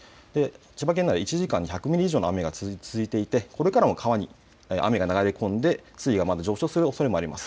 千葉県内１時間に１００ミリ以上の雨が続いていて、これからも川に雨が流れ込んで水位がまだ上昇するおそれもあります。